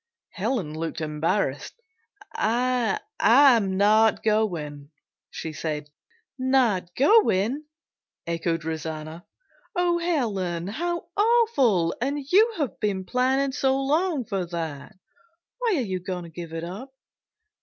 Helen looked embarrassed. "I am not going," she said. "Not going?" echoed Rosanna. "Oh, Helen, how awful! And you have been planning so long for that. Why are you going to give it up?"